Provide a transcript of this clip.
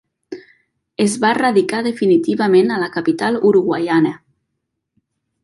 Es va radicar definitivament a la capital uruguaiana.